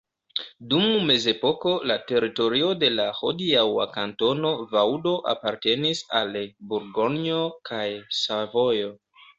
Dum mezepoko la teritorio de la hodiaŭa Kantono Vaŭdo apartenis al Burgonjo kaj Savojo.